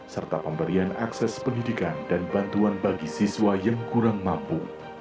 serta pemberian akses pendidikan dan bantuan bagi siswa yang kurang mampu